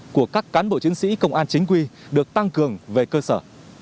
của các cán bộ chiến sĩ công an chính quy được tăng cường về cơ sở